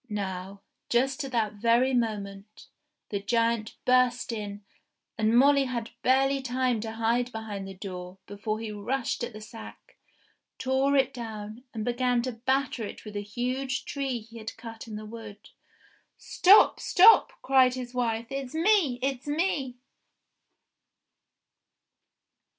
Now, just at that very moment, the giant burst in, and Molly had barely time to hide behind the door before he rushed at the sack, tore it down, and began to batter it with a huge tree he had cut in the wood. "Stop ! stop !" cried his wife. "It's me ! It's me